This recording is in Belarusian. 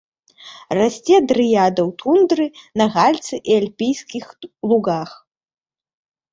Расце дрыяда ў тундры, на гальцы і альпійскіх лугах.